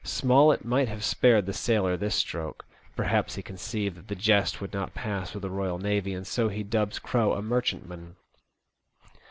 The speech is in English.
Smollett might have spared the sailor this stroke. Perhaps he conceived that the jest would not pass with the Eoyal Navy, and so he dubs Crowe a merchantman.